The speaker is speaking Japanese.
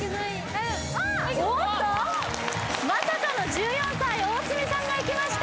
おっとまさかの１４歳大角さんがいきました